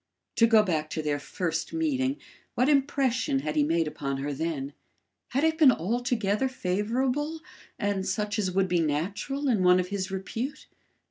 To go back to their first meeting, what impression had he made upon her then? Had it been altogether favourable and such as would be natural in one of his repute?